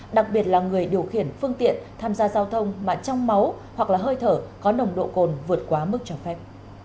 đặc biệt là người điều khiển phương tiện tham gia giao thông mà trong máu hoặc là hơi thở có nồng độ cồn vượt quá mức cho phép